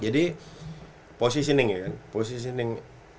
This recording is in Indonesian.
jadi positioning ya kan positioning